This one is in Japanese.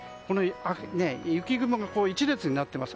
雪雲が１列になっています。